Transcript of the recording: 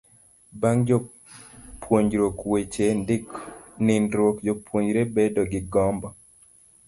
bang' puonjruok weche nindruok, jopuonjre bedo gi gombo